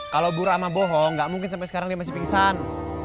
kalau bu rahmat bohong gak mungkin sampe sekarang dia masih pingsan